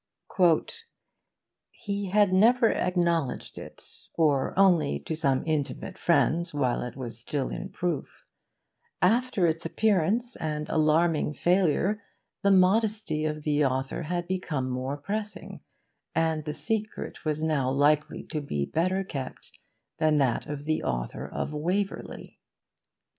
"He had never acknowledged it, or only to some intimate friends while it was still in proof; after its appearance and alarming failure, the modesty of the author had become more pressing, and the secret was now likely to be better kept than that of the authorship of 'Waverley.